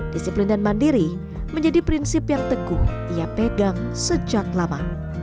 disiplin dan mandiri menjadi prinsip yang teguh ia pegang sejak lama